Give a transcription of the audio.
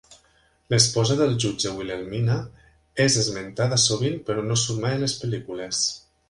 L'esposa del jutge, Wilhelmina, és esmentada sovint però no surt mai a les pel·lícules.